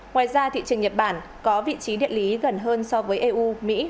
ngoài ra thị trường nhật bản có vị trí địa lý gần hơn so với eu mỹ